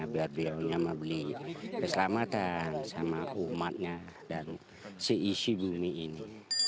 biar beliau keselamatan sama umatnya dan seisi bumi ini